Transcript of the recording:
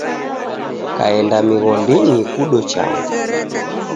Kaenda mighondinyi kudo changu.